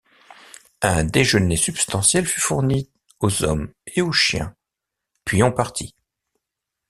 Un déjeuner substantiel fut fourni aux hommes et aux chiens, puis on partit.